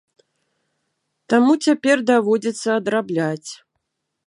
Таму цяпер даводзіцца адрабляць.